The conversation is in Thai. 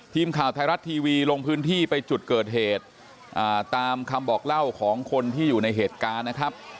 ทีมข่าวไทยรัฐทีวีลงพื้นที่ไปจุดเกิดเหตุตามคำบอกเล่าของคนที่อยู่ในเหตุการณ์นะครับ